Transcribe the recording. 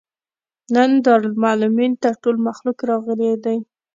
نن دارالمعلمین ته ټول مخلوق راغلى دی.